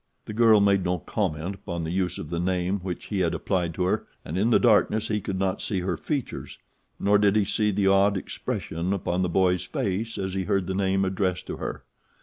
The girl made no comment upon the use of the name which he had applied to her, and in the darkness he could not see her features, nor did he see the odd expression upon the boy's face as he heard the name addressed to her.